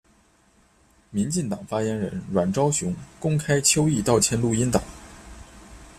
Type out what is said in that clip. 民进党发言人阮昭雄公开邱毅道歉录音档。